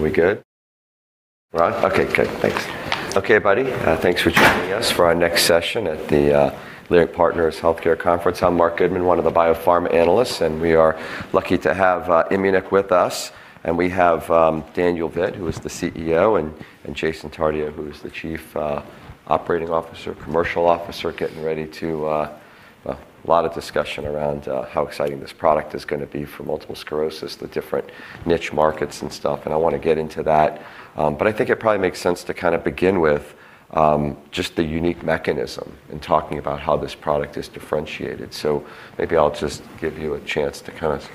Are we good? We're on? Okay, good. Thanks. Okay, everybody, thanks for joining us for our next session at the Leerink Partners Global Healthcare Conference. I'm Marc Goodman, one of the Biopharma Analysts, and we are lucky to have Immunic with us. We have Daniel Vitt, who is the CEO, and Jason Tardio, who is the Chief Operating Officer, Commercial Officer, getting ready to. A lot of discussion around how exciting this product is gonna be for multiple sclerosis, the different niche markets and stuff, and I wanna get into that. But I think it probably makes sense to kind of begin with just the unique mechanism in talking about how this product is differentiated. Maybe I'll just give you a chance to kind of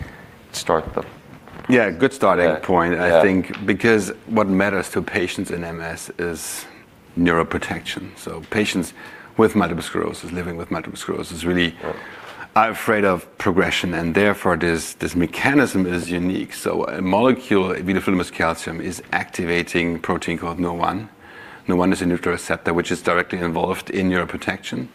start. Yeah, good starting point. Yeah, yeah. I think because what matters to patients in MS is neuroprotection. Patients with multiple sclerosis, living with multiple sclerosis, really are afraid of progression, and therefore this mechanism is unique. A molecule, Vidofludimus Calcium, is activating protein called Nurr1. Nurr1 is a nuclear receptor which is directly involved in neuroprotection.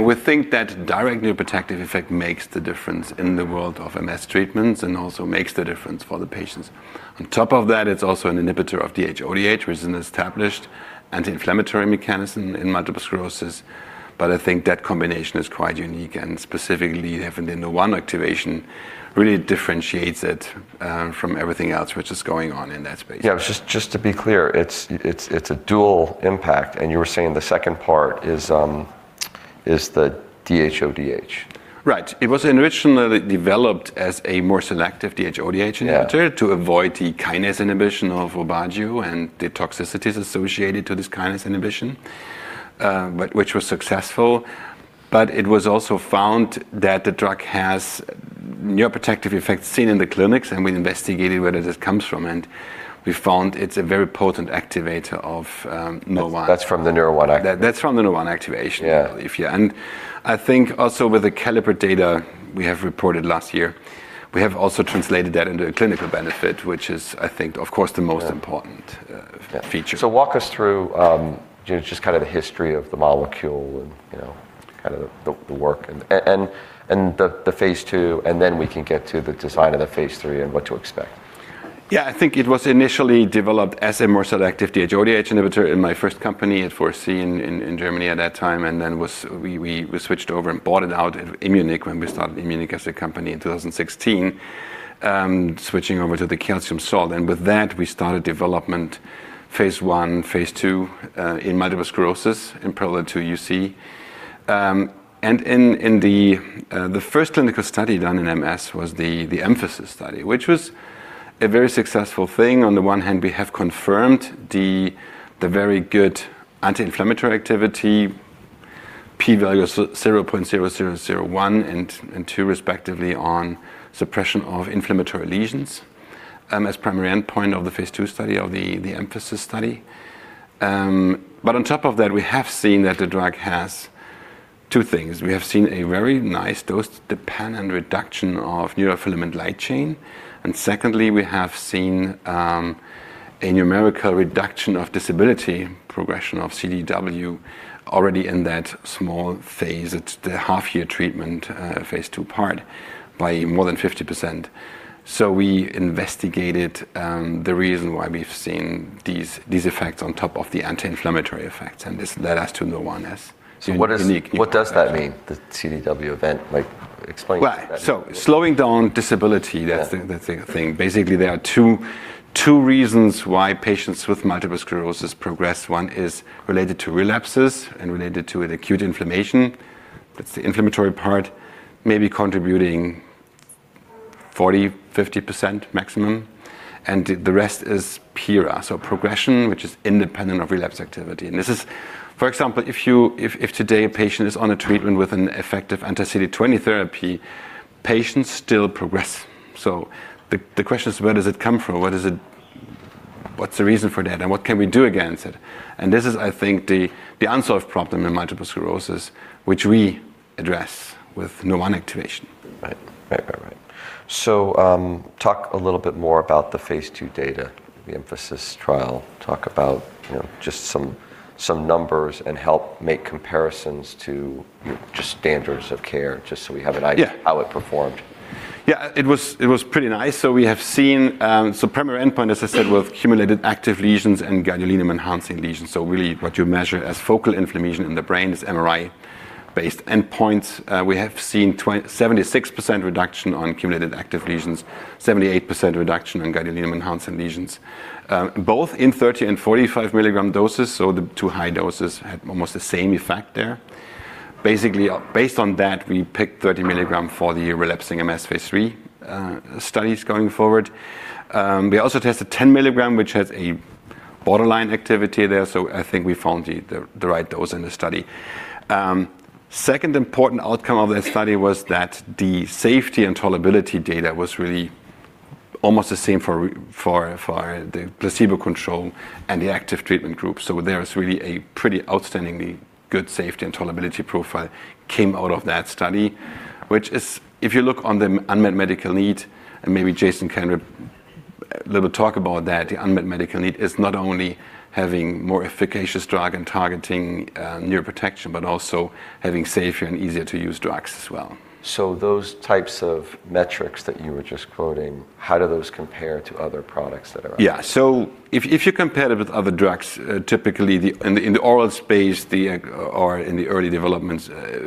We think that direct neuroprotective effect makes the difference in the world of MS treatments and also makes the difference for the patients. On top of that, it's also an inhibitor of DHODH, which is an established anti-inflammatory mechanism in multiple sclerosis. I think that combination is quite unique and specifically having the Nurr1 activation really differentiates it from everything else which is going on in that space. Yeah, just to be clear, it's a dual impact, and you were saying the second part is the DHODH. Right. It was originally developed as a more selective DHODH inhibitor to avoid the kinase inhibition of Aubagio and the toxicities associated to this kinase inhibition, but which was successful. It was also found that the drug has neuroprotective effects seen in the clinics, and we investigated where does this comes from, and we found it's a very potent activator of Nurr1. That's from the Nurr1 activation. That's from the Nurr1 activation. I think also with the CALLIPER data we have reported last year, we have also translated that into a clinical benefit, which is, I think, of course, the most important feature. Yeah. Walk us through, you know, just kind of the history of the molecule and, you know, kind of the work and the phase II, and then we can get to the design of the phase III and what to expect. Yeah, I think it was initially developed as a more selective DHODH inhibitor in my first company at 4SC in Germany at that time. We switched over and bought it out at Immunic when we started Immunic as a company in 2016, switching over to the calcium salt. With that, we started development phase I, phase II in multiple sclerosis in parallel to UC. The first clinical study done in MS was the EMPhASIS study, which was a very successful thing. On the one hand, we have confirmed the very good anti-inflammatory activity, p-value of less than 0.0001 and 0.0002 respectively on suppression of inflammatory lesions, as primary endpoint of the phase II study of the EMPhASIS study. On top of that, we have seen that the drug has two things. We have seen a very nice dose-dependent reduction of neurofilament light chain. Secondly, we have seen a numerical reduction of disability progression of CDW already in that small phase at the half-year treatment, phase II part by more than 50%. We investigated the reason why we've seen these effects on top of the anti-inflammatory effects, and this led us to Nurr1. What does- Unique What does that mean, the CDW event? Like, explain that. Well, slowing down disability. That's the thing. Basically, there are two reasons why patients with multiple sclerosis progress. One is related to relapses and related to an acute inflammation. That's the inflammatory part, maybe contributing 40%, 50% maximum, and the rest is PIRA, so progression, which is independent of relapse activity. For example, if today a patient is on a treatment with an effective anti-CD20 therapy, patients still progress. The question is, where does it come from? What's the reason for that, and what can we do against it? This is, I think, the unsolved problem in multiple sclerosis, which we address with Nurr1 activation. Right. Talk a little bit more about the phase II data, the EMPhASIS trial. Talk about, you know, just some numbers and help make comparisons to, you know, just standards of care, just so we have an idea how it performed. Yeah, it was pretty nice. We have seen primary endpoint, as I said, with accumulated active lesions and gadolinium-enhancing lesions. Really what you measure as focal inflammation in the brain is MRI-based endpoints. We have seen 76% reduction on cumulative active lesions, 78% reduction on gadolinium-enhancing lesions, both in 30 and 45 mg doses, so the two high doses had almost the same effect there. Basically, based on that, we picked 30 mg for the relapsing MS phase III studies going forward. We also tested 10 mg, which has a borderline activity there, so I think we found the right dose in the study. Second important outcome of that study was that the safety and tolerability data was really almost the same for the placebo control and the active treatment group. There is really a pretty outstandingly good safety and tolerability profile came out of that study, which is. If you look on the unmet medical need, and maybe Jason can talk a little about that, the unmet medical need is not only having more efficacious drug and targeting neuroprotection, but also having safer and easier to use drugs as well. Those types of metrics that you were just quoting, how do those compare to other products? If you compare it with other drugs, typically in the oral space or in the early development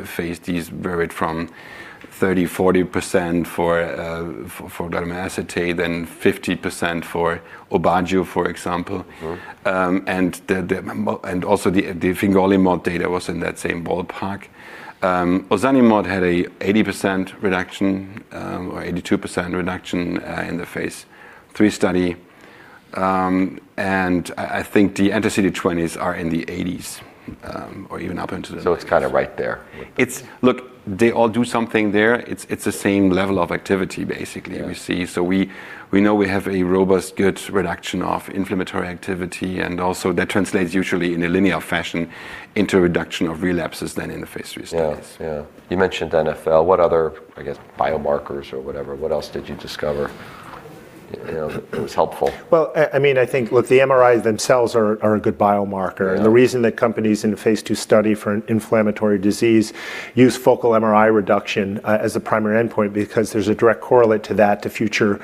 phase, these varied from 30%-40% for glatiramer acetate, then 50% for Aubagio, for example. Fingolimod data was in that same ballpark. ozanimod had an 80% reduction or 82% reduction in the phase III study. I think the anti-CD20s are in the 80s or even up into the 90s. It's kind of right there. Look, they all do something there. It's the same level of activity basically. We know we have a robust good reduction of inflammatory activity, and also that translates usually in a linear fashion into reduction of relapses then in the phase III studies. Yeah. You mentioned NFL. What other, I guess, biomarkers or whatever, what else did you discover, you know, that was helpful? Well, I mean, I think. Look, the MRIs themselves are a good biomarker. The reason that companies in the phase II study for an inflammatory disease use focal MRI reduction as a primary endpoint because there's a direct correlate to that to future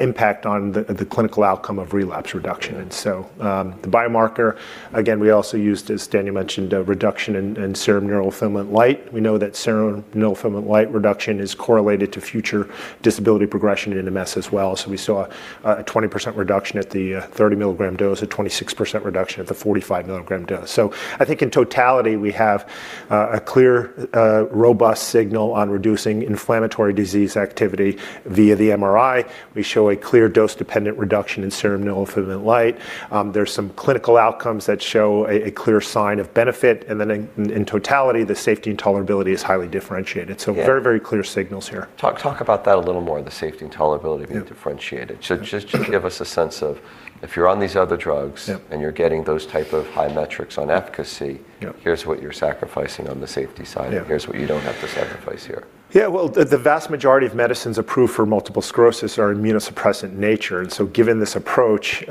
impact on the clinical outcome of relapse reduction. The biomarker, again, we also used, as Daniel mentioned, a reduction in serum neurofilament light. We know that serum neurofilament light reduction is correlated to future disability progression in MS as well. We saw a 20% reduction at the 30 mg dose, a 26% reduction at the 45 mg dose. I think in totality, we have a clear robust signal on reducing inflammatory disease activity via the MRI. We show a clear dose-dependent reduction in serum neurofilament light. There's some clinical outcomes that show a clear sign of benefit. In totality, the safety and tolerability is highly differentiated. Very, very clear signals here. Talk about that a little more, the safety and tolerability being differentiated. Just give us a sense of if you're on these other drugs? And you're getting those type of high metrics on efficacy. Here's what you're sacrificing on the safety side. Here's what you don't have to sacrifice here. Yeah. Well, the vast majority of medicines approved for multiple sclerosis are immunosuppressant in nature. Given this approach,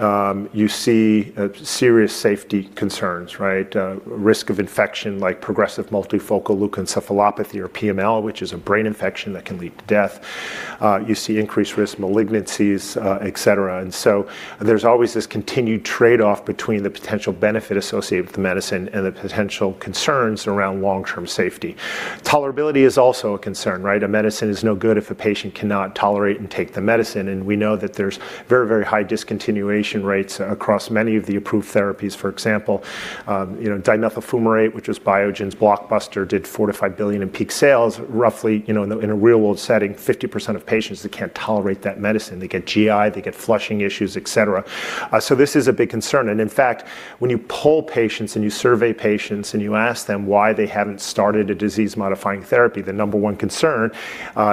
you see serious safety concerns, right? Risk of infection like progressive multifocal leukoencephalopathy or PML, which is a brain infection that can lead to death. You see increased risk malignancies, etc. There's always this continued trade-off between the potential benefit associated with the medicine and the potential concerns around long-term safety. Tolerability is also a concern, right? A medicine is no good if a patient cannot tolerate and take the medicine. We know that there's very, very high discontinuation rates across many of the approved therapies. For example, dimethyl fumarate, which was Biogen's blockbuster, did $4 billion-$5 billion in peak sales. Roughly, you know, in a real world setting, 50% of patients that can't tolerate that medicine. They get GI, they get flushing issues, etc. This is a big concern. In fact, when you poll patients and you survey patients and you ask them why they haven't started a disease-modifying therapy, the number one concern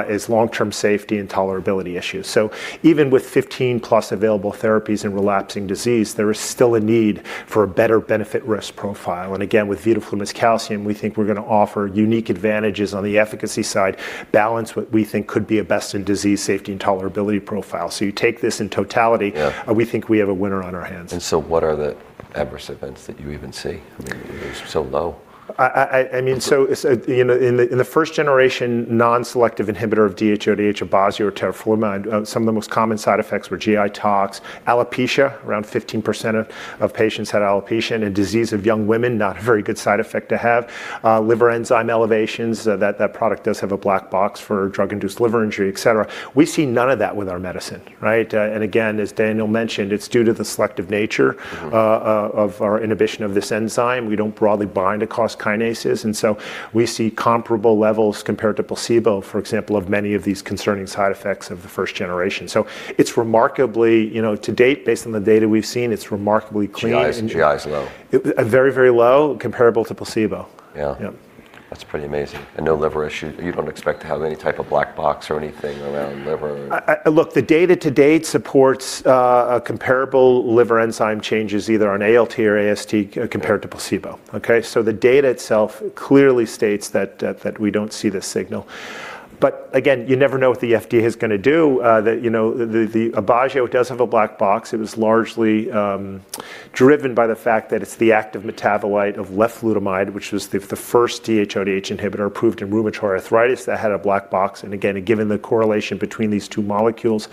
is long-term safety and tolerability issues. Even with 15+ available therapies in relapsing disease, there is still a need for a better benefit risk profile. Again, with Vidofludimus Calcium, we think we're gonna offer unique advantages on the efficacy side, balance what we think could be a best in disease safety and tolerability profile. You take this in totality. We think we have a winner on our hands. What are the adverse events that you even see? I mean, they're so low. I mean, in the first generation non-selective inhibitor of DHODH, Aubagio or teriflunomide, some of the most common side effects were GI tox, alopecia, around 15% of patients had alopecia, in a disease of young women, not a very good side effect to have. Liver enzyme elevations, that product does have a black box for drug-induced liver injury, etc. We see none of that with our medicine, right? Again, as Daniel mentioned, it's due to the selective nature of our inhibition of this enzyme. We don't broadly bind to other kinases. We see comparable levels compared to placebo, for example, of many of these concerning side effects of the first generation. It's remarkably, you know, to date, based on the data we've seen, it's remarkably clean and. GI's low. Very low, comparable to placebo. Yeah. Yeah. That's pretty amazing. No liver issue. You don't expect to have any type of black box or anything around liver or. Look, the data to date supports a comparable liver enzyme changes either on ALT or AST compared to placebo. Okay? The data itself clearly states that we don't see the signal. Again, you never know what the FDA is gonna do. You know, the Aubagio does have a black box. It was largely driven by the fact that it's the active metabolite of leflunomide, which was the first DHODH inhibitor approved in rheumatoid arthritis that had a black box. Again, given the correlation between these two molecules,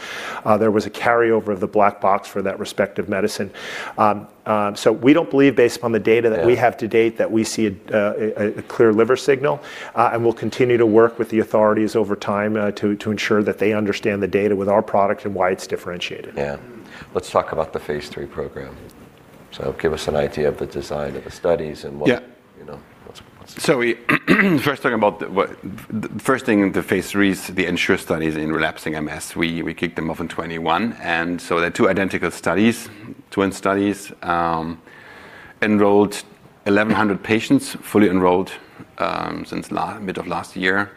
there was a carryover of the black box for that respective medicine. We don't believe based upon the data that we have to date that we see a clear liver signal. We'll continue to work with the authorities over time to ensure that they understand the data with our product and why it's differentiated. Yeah. Let's talk about the phase III program. Give us an idea of the design of the studies and what you know. First talking about the first thing, the phase IIIs, the ENSURE studies in relapsing MS, we kicked them off in 2021. They're two identical studies, twin studies, enrolled 1,100 patients, fully enrolled since mid of last year.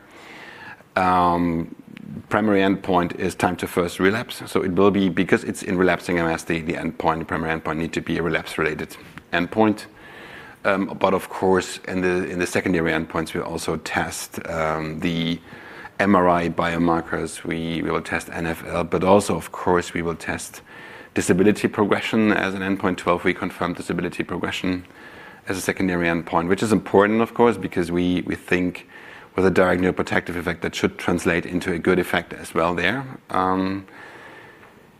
Primary endpoint is time to first relapse. It will be because it's in relapsing MS, the endpoint, the primary endpoint need to be a relapse related endpoint. But of course, in the secondary endpoints, we also test the MRI biomarkers. We will test NFL, but also, of course, we will test disability progression as an endpoint. We confirmed disability progression as a secondary endpoint, which is important of course, because we think with a neuroprotective effect, that should translate into a good effect as well there.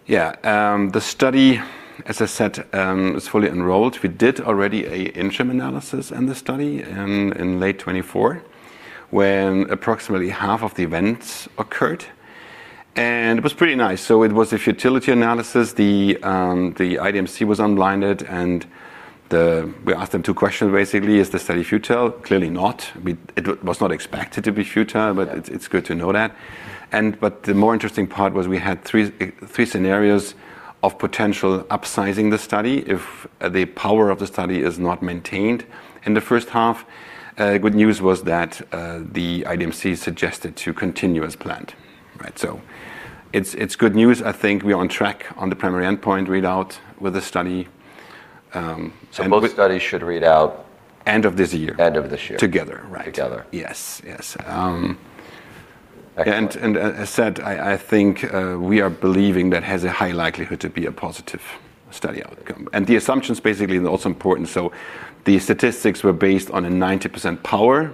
The study, as I said, is fully enrolled. We did already an interim analysis in the study in late 2024, when approximately half of the events occurred. It was pretty nice. It was a futility analysis. The IDMC was unblinded, and we asked them two questions, basically. Is the study futile? Clearly not. I mean, it was not expected to be futile. It's good to know that. The more interesting part was we had three scenarios of potential upsizing the study if the power of the study is not maintained in the first half. Good news was that the IDMC suggested to continue as planned. Right. It's good news. I think we're on track on the primary endpoint readout with the study. Both studies should read out. End of this year. End of this year. Together. Right. Together. Yes. As said, I think we are believing that has a high likelihood to be a positive study outcome. The assumptions basically are also important. The statistics were based on a 90% power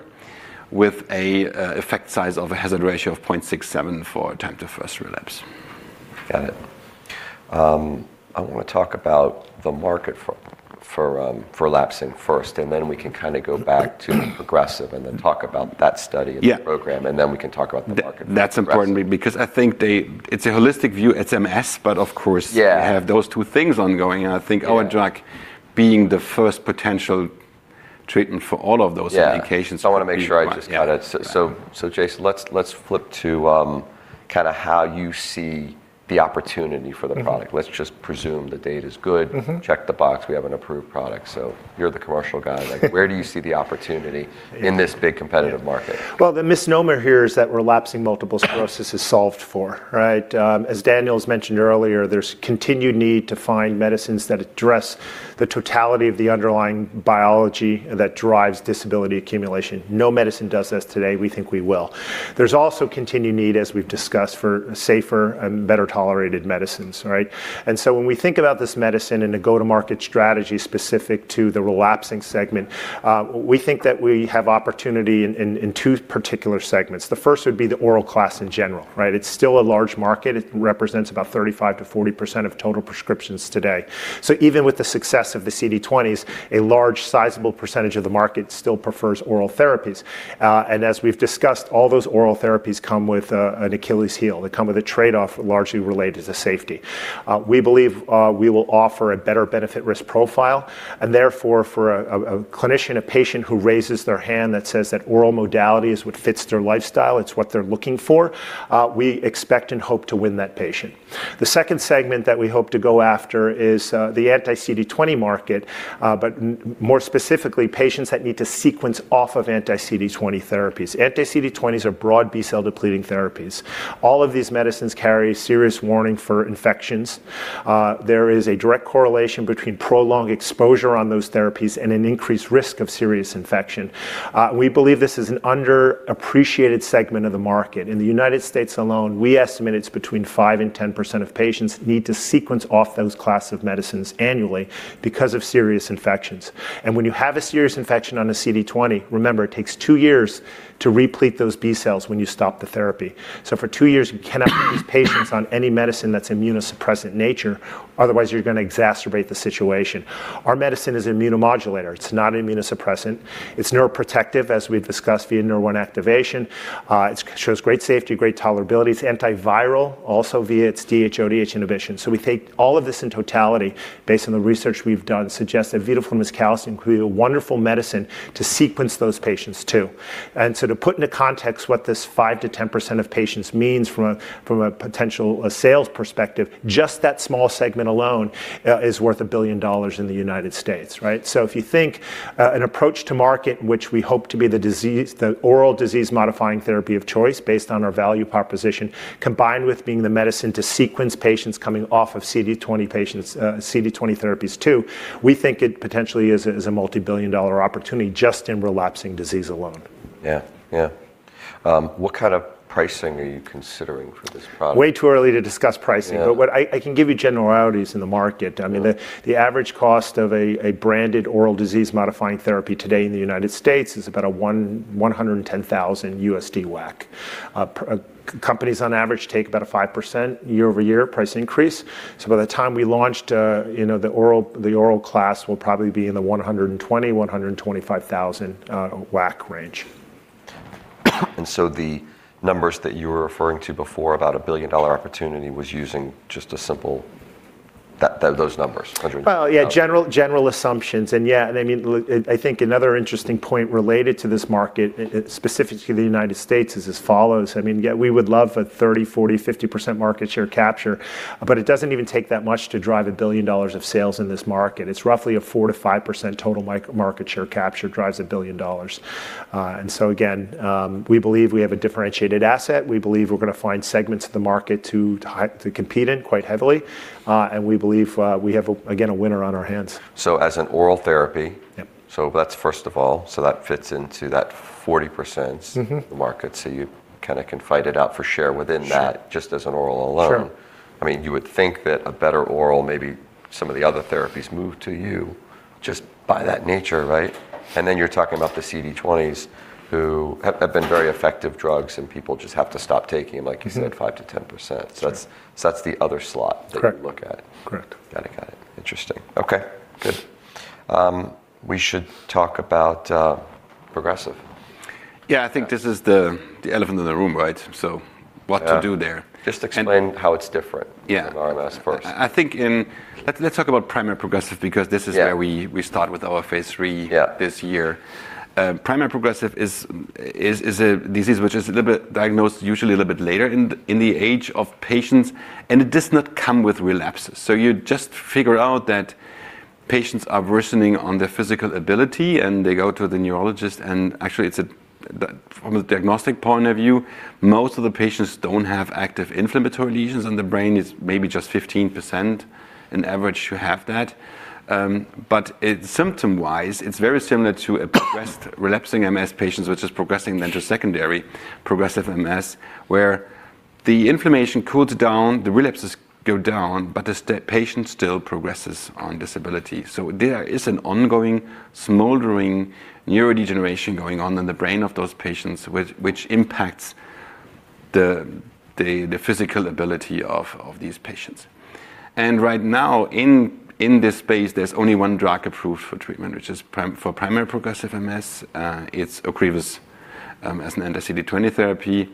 with a effect size of a hazard ratio of 0.67 for time to first relapse. Got it. I wanna talk about the market for relapsing first, and then we can kinda go back to progressive and then talk about that study the program, and then we can talk about the market. That's important because I think it's a holistic view. It's MS, but of course. We have those two things ongoing, and I think our drug being the first potential treatment for all of those indications. I wanna make sure I just got it. Jason, let's flip to kinda how you see the opportunity for the product. Let's just presume the data's good. Check the box, we have an approved product. You're the commercial guy, where do you see the opportunity in this big competitive market? Well, the misnomer here is that relapsing multiple sclerosis is solved for, right? As Daniel's mentioned earlier, there's continued need to find medicines that address the totality of the underlying biology that drives disability accumulation. No medicine does this today. We think we will. There's also continued need, as we've discussed, for safer and better tolerated medicines, right? When we think about this medicine and a go-to-market strategy specific to the relapsing segment, we think that we have opportunity in two particular segments. The first would be the oral class in general, right? It's still a large market. It represents about 35%-40% of total prescriptions today. So even with the success of the CD20s, a large sizable percentage of the market still prefers oral therapies. As we've discussed, all those oral therapies come with an Achilles heel. They come with a trade-off largely related to safety. We believe we will offer a better benefit risk profile, and therefore, for a clinician, a patient who raises their hand that says that oral modality is what fits their lifestyle, it's what they're looking for, we expect and hope to win that patient. The second segment that we hope to go after is the anti-CD20 market, but more specifically, patients that need to sequence off of anti-CD20 therapies. Anti-CD20s are broad B-cell depleting therapies. All of these medicines carry a serious warning for infections. There is a direct correlation between prolonged exposure on those therapies and an increased risk of serious infection. We believe this is an underappreciated segment of the market. In the United States alone, we estimate it's between 5% and 10% of patients need to sequence off those class of medicines annually because of serious infections. When you have a serious infection on a CD20, remember, it takes two years to replete those B-cells when you stop the therapy. For two years, you cannot put these patients on any medicine that's immunosuppressant in nature, otherwise you're gonna exacerbate the situation. Our medicine is immunomodulator. It's not immunosuppressant. It's neuroprotective, as we've discussed, via Nurr1 activation. It shows great safety, great tolerability. It's antiviral, also via its DHODH inhibition. We take all of this in totality based on the research we've done, suggest Vidofludimus Calcium could be a wonderful medicine to sequence those patients too. To put into context what this 5%-10% of patients means from a potential sales perspective, just that small segment alone is worth $1 billion in the United States, right? If you think an approach to market which we hope to be the oral disease modifying therapy of choice based on our value proposition, combined with being the medicine to sequence patients coming off of CD20 patients, CD20 therapies too, we think it potentially is a multi-billion-dollar opportunity just in relapsing disease alone. Yeah. Yeah. What kind of pricing are you considering for this product? Way too early to discuss pricing. What I can give you generalities in the market. I mean. The average cost of a branded oral disease modifying therapy today in the United States is about $110,000 WAC. Companies on average take about a 5% year-over-year price increase. By the time we launched, you know, the oral class will probably be in the $120,000-$125,000 WAC range. The numbers that you were referring to before about a billion-dollar opportunity was using just those numbers $110,000. Well, yeah, general assumptions and, yeah, I mean, look, I think another interesting point related to this market, and specifically the United States, is as follows. I mean, we would love a 30%, 40%, 50% market share capture, but it doesn't even take that much to drive $1 billion of sales in this market. It's roughly a 4%-5% total MS market share capture drives $1 billion. And so again, we believe we have a differentiated asset. We believe we're gonna find segments of the market to compete in quite heavily. We believe we have, again, a winner on our hands. As an oral therapy. That's first of all, so that fits into that 40% market. You kinda can fight it out for share within that. Just as an oral alone. I mean, you would think that a better oral, maybe some of the other therapies move to you just by that nature, right? Then you're talking about the CD20s who have been very effective drugs, and people just have to stop taking them, like you said 5%-10%. That's the other slot that you look at. Correct. Got it. Interesting. Okay. Good. We should talk about progressive. Yeah, I think this is the elephant in the room, right? What to do there. Just explain how it's different to our last person. I think. Let's talk about primary progressive because this is where we start with our phase III this year. Primary progressive is a disease which is a little bit diagnosed usually a little bit later in the age of patients, and it does not come with relapses. You just figure out that patients are worsening on their physical ability, and they go to the neurologist. Actually, from a diagnostic point of view, most of the patients don't have active inflammatory lesions on the brain. It's maybe just 15% on average who have that. But symptom-wise, it's very similar to a progressed relapsing MS patients, which is progressing then to secondary progressive MS, where the inflammation cools down, the relapses go down, but the patient still progresses on disability. There is an ongoing smoldering neurodegeneration going on in the brain of those patients which impacts the physical ability of these patients. Right now, in this space, there's only one drug approved for treatment, which is for primary progressive MS. It's Ocrevus, as an anti-CD20 therapy,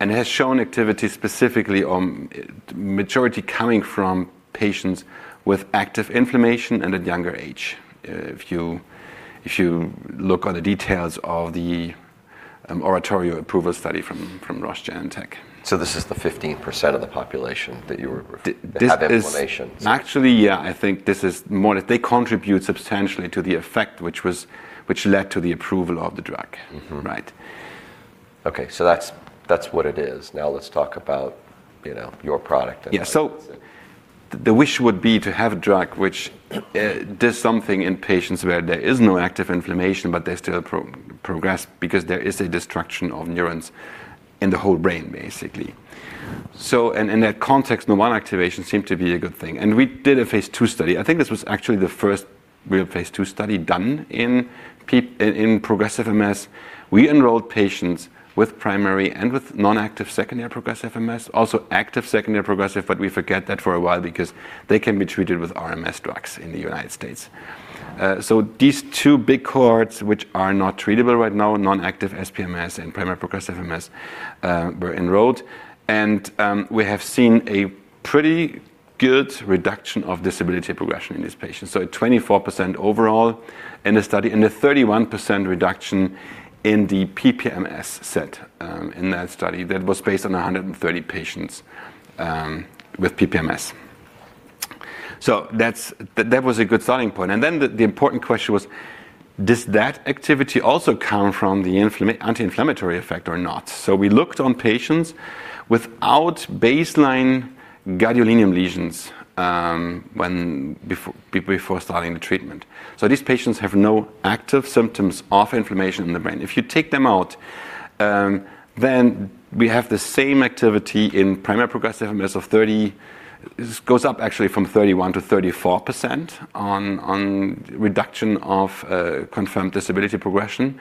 and has shown activity specifically on majority coming from patients with active inflammation and at younger age. If you look on the details of the ORATORIO approval study from Roche Genentech. This is the 15% of the population that you were re... Have inflammation. This is...Actually, yeah. I think this is more that they contribute substantially to the effect which led to the approval of the drug. Right. Okay, that's what it is. Now let's talk about, you know, your product and. Yeah. The wish would be to have a drug which does something in patients where there is no active inflammation, but they still progress because there is a destruction of neurons in the whole brain, basically. In that context, no immune activation seemed to be a good thing. We did a phase II study. I think this was actually the first real phase II study done in progressive MS. We enrolled patients with primary and non-active secondary progressive MS, also active secondary progressive, but we forget that for a while because they can be treated with RMS drugs in the United States. These two big cohorts, which are not treatable right now, non-active SPMS and primary progressive MS, were enrolled, and we have seen a pretty good reduction of disability progression in these patients. At 24% overall in the study, and a 31% reduction in the PPMS set, in that study that was based on 130 patients, with PPMS. That was a good starting point. The important question was, does that activity also come from the anti-inflammatory effect or not? We looked on patients without baseline gadolinium lesions, before starting the treatment. These patients have no active symptoms of inflammation in the brain. If you take them out, then we have the same activity in primary progressive MS of 31% this goes up actually from 31% to 34% on reduction of confirmed disability progression,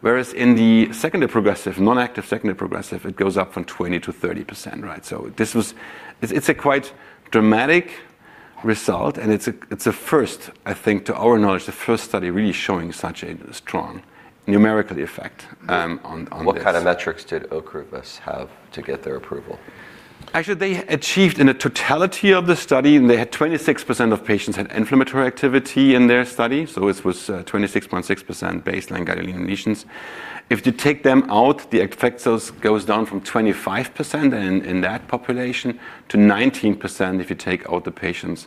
whereas in the secondary progressive, non-active secondary progressive, it goes up from 20% to 30%, right? It's a quite dramatic result, and it's a first, I think, to our knowledge, the first study really showing such a strong numerical effect on this. What kind of metrics did Ocrevus have to get their approval? Actually, they achieved in the totality of the study, and they had 26% of patients had inflammatory activity in their study. It was 26.6% baseline gadolinium lesions. If you take them out, the effect size goes down from 25% in that population to 19% if you take out the patients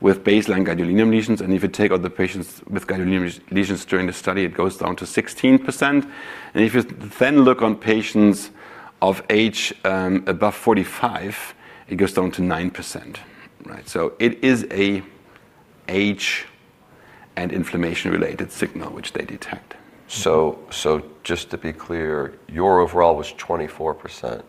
with baseline gadolinium lesions. If you take out the patients with gadolinium lesions during the study, it goes down to 16%. If you then look on patients of age above 45, it goes down to 9%, right? It is an age and inflammation-related signal which they detect. Just to be clear, your overall was 24%.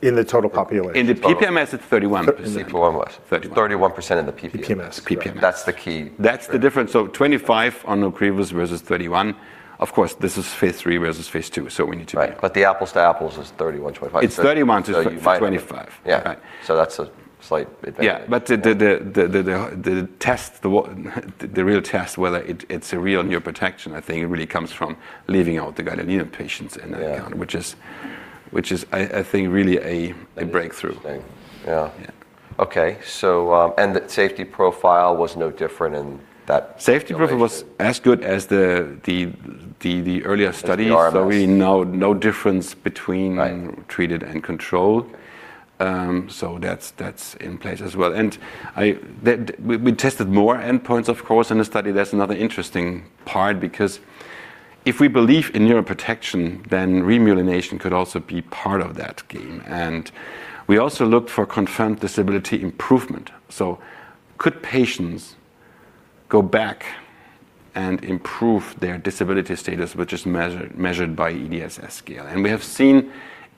In the total population. Total. In the PPMS, it's 31. 31 was. 31. 31% of the PPMS. PPMS. That's the key. That's the difference. 25 on Ocrevus versus 31. Of course, this is phase III versus phase II, so we need to. Right. The apples to apples is 31.5. It's 31 to 25. Yeah. Right. That's a slight advantage. Yeah. The real test whether it's a real neuroprotection, I think, really comes from leaving out the gadolinium patients in that count which is, I think, really a breakthrough. Interesting. Yeah. The safety profile was no different in that. Safety profile was as good as the earlier study. As the RMS. We know no difference between treated and control. That's in place as well. We tested more endpoints, of course, in the study. That's another interesting part because if we believe in neuroprotection, then remyelination could also be part of that game. We also look for confirmed disability improvement. Could patients go back and improve their disability status, which is measured by EDSS scale? We have seen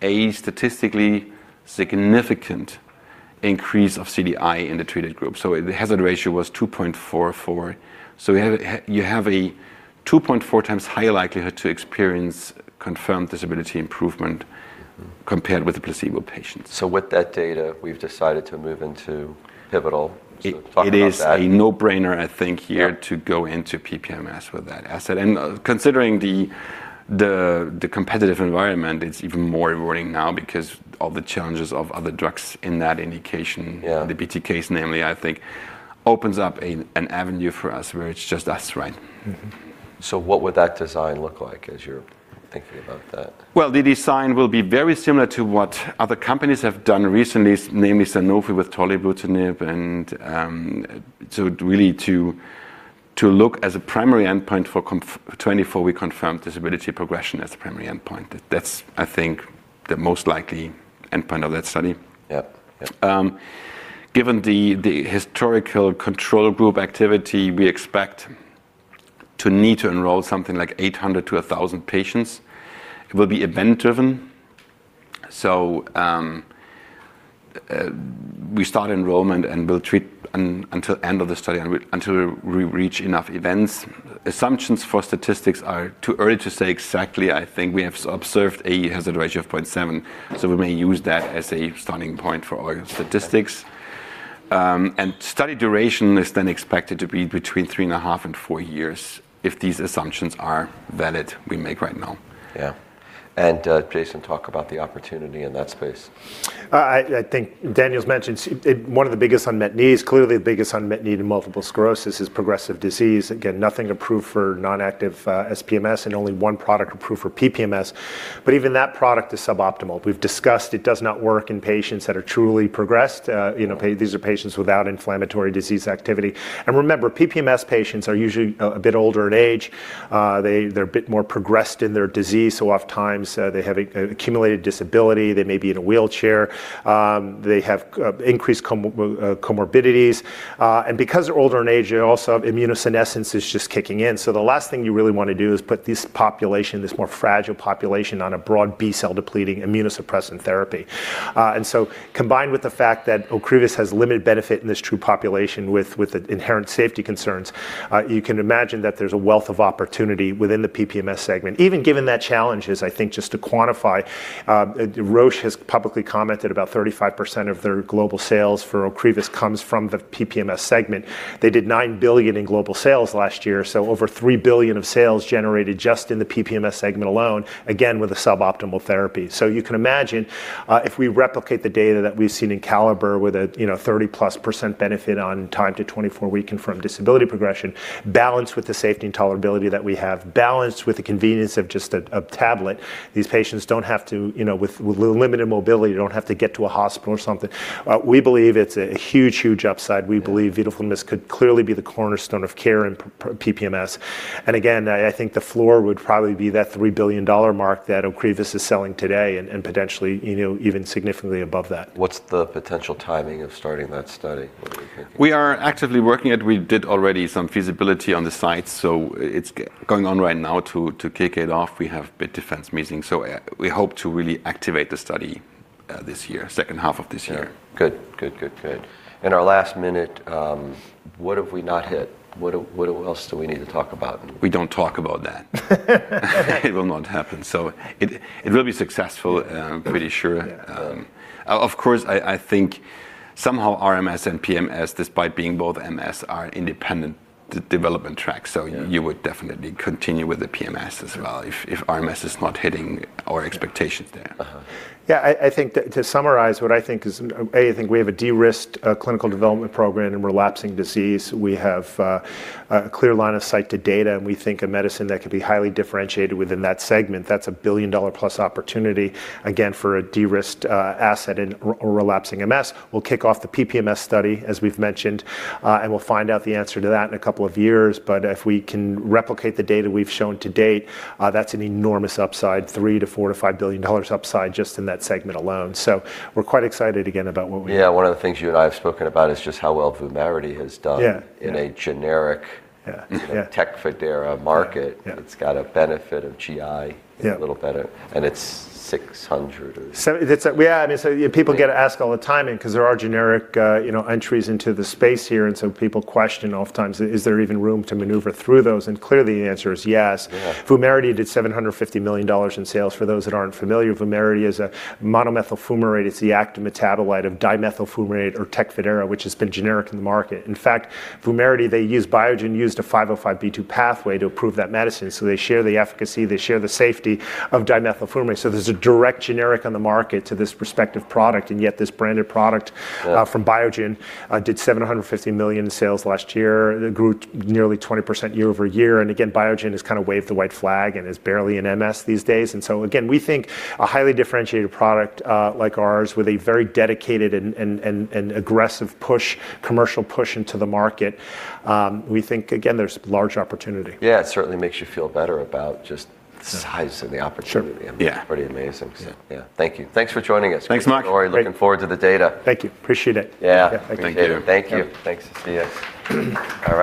a statistically significant increase of CDI in the treated group. The hazard ratio was 2.44. You have a 2.4x higher likelihood to experience confirmed disability improvement compared with the placebo patients. With that data, we've decided to move into pivotal. Talk about that. It is a no-brainer, I think, here to go into PPMS with that asset. Considering the competitive environment, it's even more rewarding now because all the challenges of other drugs in that indication. The BTK case, namely, I think, opens up an avenue for us where it's just us, right? What would that design look like as you're thinking about that? Well, the design will be very similar to what other companies have done recently, namely Sanofi with tolebrutinib and so really to look at confirmed 24-week disability progression as the primary endpoint. That's, I think, the most likely endpoint of that study. Given the historical control group activity, we expect to need to enroll something like 800-1,000 patients. It will be event-driven. We start enrollment, and we'll treat until end of the study until we reach enough events. Assumptions for statistics are too early to say exactly. I think we have observed a hazard ratio of 0.7, so we may use that as a starting point for our statistics. Study duration is then expected to be between three and a half and four years if these assumptions are valid we make right now. Yeah. Jason, talk about the opportunity in that space. I think Daniel's mentioned it, one of the biggest unmet needs, clearly the biggest unmet need in multiple sclerosis is progressive disease. Again, nothing approved for non-active SPMS and only one product approved for PPMS. Even that product is suboptimal. We've discussed it does not work in patients that are truly progressed. You know. These are patients without inflammatory disease activity. Remember, PPMS patients are usually a bit older in age. They're a bit more progressed in their disease, so oftentimes they have a accumulated disability. They may be in a wheelchair. They have increased comorbidities. Because they're older in age, they also have immunosenescence is just kicking in, so the last thing you really wanna do is put this population, this more fragile population, on a broad B-cell depleting immunosuppressant therapy. Combined with the fact that Ocrevus has limited benefit in this true population with inherent safety concerns, you can imagine that there's a wealth of opportunity within the PPMS segment. Even given that challenge, I think just to quantify, Roche has publicly commented about 35% of their global sales for Ocrevus comes from the PPMS segment. They did $9 billion in global sales last year, so over $3 billion of sales generated just in the PPMS segment alone, again, with a suboptimal therapy. You can imagine, if we replicate the data that we've seen in CALLIPER with a, you know, 30%+ benefit on time to 24-week confirmed disability progression, balanced with the safety and tolerability that we have, balanced with the convenience of just a tablet, these patients don't have to, you know, with limited mobility, don't have to get to a hospital or something. We believe it's a huge, huge upside. We Vidofludimus Calcium could clearly be the cornerstone of care in PPMS. I think the floor would probably be that $3 billion mark that Ocrevus is selling today and potentially, you know, even significantly above that. What's the potential timing of starting that study, would you think? We are actively working it. We did already some feasibility on the site, so it's going on right now. To kick it off, we have IDMC meeting, so we hope to really activate the study, this year, second half of this year. Good. In our last minute, what have we not hit? What else do we need to talk about? We don't talk about that. It will not happen. It will be successful, I'm pretty sure. Of course, I think somehow RMS and PMS, despite being both MS, are independent development tracks. You would definitely continue with the PMS as well if RMS is not hitting our expectations there? I think to summarize, what I think is, a, I think we have a de-risked clinical development program in relapsing disease. We have a clear line of sight to data, and we think a medicine that could be highly differentiated within that segment. That's a billion-dollar-plus opportunity, again, for a de-risked asset in relapsing MS. We'll kick off the PPMS study, as we've mentioned, and we'll find out the answer to that in a couple of years. If we can replicate the data we've shown to date, that's an enormous upside, $3 to $4 to $5 billion upside just in that segment alone. We're quite excited again about what we Yeah, one of the things you and I have spoken about is just how well Vumerity has done in a generic Tecfidera market. It's got a benefit of GI. A little better, and it's 600 or. That's, yeah, I mean, so people get asked all the time and 'cause there are generic, you know, entries into the space here, and so people question oftentimes is there even room to maneuver through those, and clearly the answer is yes. Vumerity did $750 million in sales. For those that aren't familiar, Vumerity is a monomethyl fumarate. It's the active metabolite of dimethyl fumarate or Tecfidera, which has been generic in the market. In fact, Biogen used a 505(b)(2) pathway to approve that medicine, so they share the efficacy, they share the safety of dimethyl fumarate. There's a direct generic on the market to this respective product, and yet this branded product. From Biogen did $750 million in sales last year. It grew nearly 20% year-over-year. Again, Biogen has kinda waved the white flag and is barely in MS these days. Again, we think a highly differentiated product like ours with a very dedicated and aggressive push, commercial push into the market. We think again there's large opportunity. Yeah, it certainly makes you feel better about just the size of the opportunity. Sure. Yeah. It's pretty amazing. Yeah. Yeah. Thank you. Thanks for joining us. Thanks much. Looking forward to the data. Thank you. Appreciate it. Yeah. Thank you. Thank you. Thanks. See ya. All right.